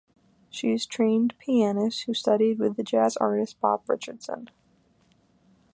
She is a trained pianist who studied with the jazz artist, Bob Richardson.